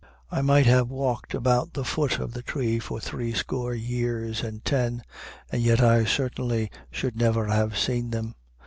I might have walked about the foot of the tree for threescore years and ten, and yet I certainly should never have seen them.